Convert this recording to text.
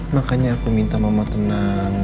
makanya aku minta mama tenang